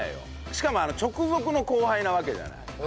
しかも直属の後輩なわけじゃない。